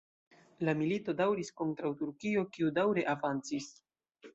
La milito daŭris kontraŭ Turkio, kiu daŭre avancis.